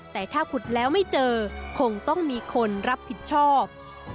แต่ถ้าขุดแล้วไม่เจอคงต้องมีคนรับผิดชอบ